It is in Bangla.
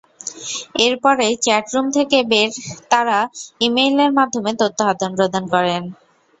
এরপরেই চ্যাট রুম থেকে বের তাঁরা ইমেইলের মাধ্যমে তথ্য আদান-প্রদান করেন।